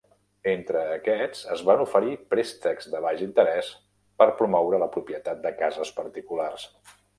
Entre aquests, es van oferir préstecs de baix interès per promoure la propietat de cases particulars.